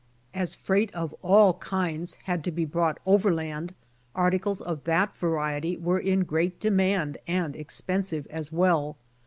As freight of all kinds had to bo brought overland, articles of that variety were in great demand and expensive as well.